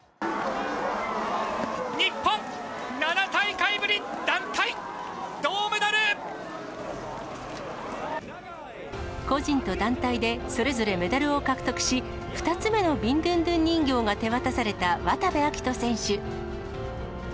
日本、個人と団体でそれぞれメダルを獲得し、２つ目のビンドゥンドゥン人形が手渡された渡部暁斗選手。